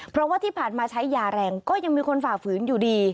เพราะว่าที่ผ่านมาใช้ยาแรงก็ยังมีคนฝ่าฝืนอยู่ดี